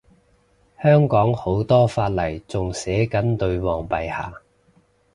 香港好多法例仲寫緊女皇陛下